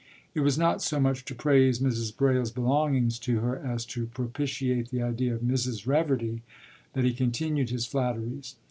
It was not so much to praise Mrs. Braile's belongings to her as to propitiate the idea of Mrs. Reverdy that he continued his flatteries.